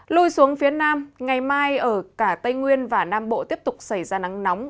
lui xuống phía nam ngày mai ở cả tây nguyên và nam bộ tiếp tục xảy ra nắng nóng